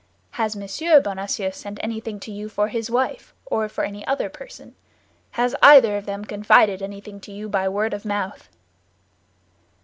Has Monsieur Bonacieux sent anything to you for his wife, or for any other person? Has either of them confided anything to you by word of mouth?"